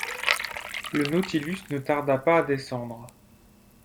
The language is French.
Le Nautilus ne tarda pas à descendre.